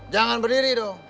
jangan berdiri dong